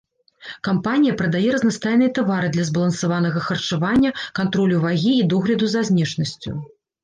Кампанія прадае разнастайныя тавары для збалансаванага харчавання, кантролю вагі і догляду за знешнасцю.